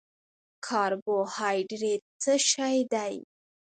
کاربوهایډریټ څه شی دی؟